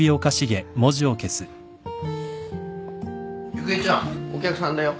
ゆくえちゃんお客さんだよ。